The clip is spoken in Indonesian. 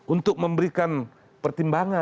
untuk memberikan pertimbangan